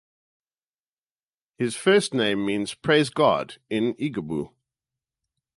His first name means "praise God" in Igbo.